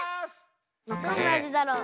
どんなあじだろう？